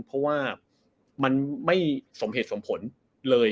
เพราะว่ามันไม่สมเหตุสมผลเลย